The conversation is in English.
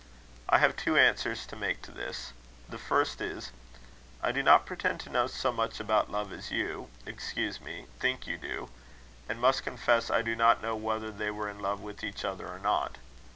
I have two answers to make to this. The first is: "I do not pretend to know so much about love as you excuse me think you do; and must confess, I do not know whether they were in love with each other or not."